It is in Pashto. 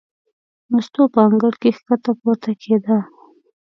مستو په انګړ کې ښکته پورته کېده.